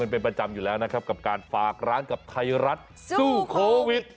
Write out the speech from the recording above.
เป็นประจำอยู่แล้วนะครับกับการฝากร้านกับไทยรัฐสู้โควิด